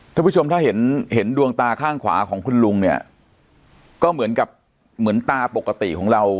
ท่านผู้ชมถ้าเห็นเห็นดวงตาข้างขวาของคุณลุงเนี่ยก็เหมือนกับเหมือนตาปกติของเรา